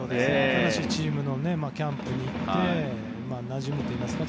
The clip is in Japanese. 新しいチームのキャンプに行ってなじむといいますか